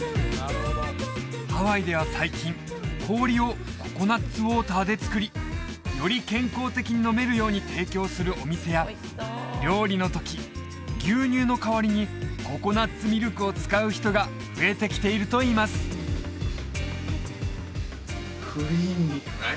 ハワイでは最近氷をココナッツウォーターで作りより健康的に飲めるように提供するお店や料理の時牛乳の代わりにココナッツミルクを使う人が増えてきているといいますクリーミー濃厚